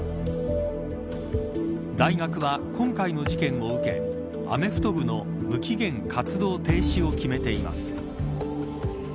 大学は今回の事件を受けアメフト部の無期限活動停止を決めています。